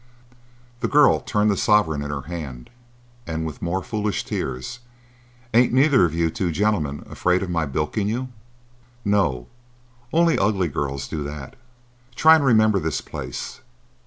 The girl turned the sovereign in her hand, and with more foolish tears, "Ain't neither o' you two gentlemen afraid of my bilking you?" "No. Only ugly girls do that. Try and remember this place.